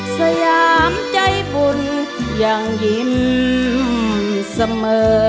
สยามใจบุญยังยิ้มเสมอ